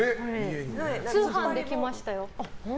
通販で来ましたよ。